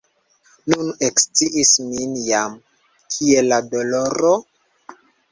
Nun eksciis mi jam, kie la doloro?